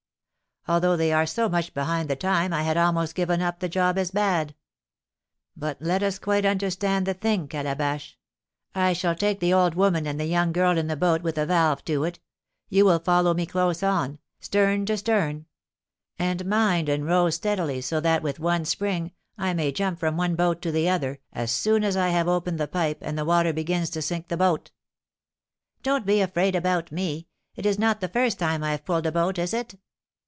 Although they are so much behind the time I had almost given up the job as bad. But let us quite understand the thing, Calabash. I shall take the old woman and the young girl in the boat with a valve to it; you will follow me close on, stern to stern; and mind and row steadily, so that, with one spring, I may jump from one boat to the other, as soon as I have opened the pipe and the water begins to sink the boat." "Don't be afraid about me, it is not the first time I've pulled a boat, is it?"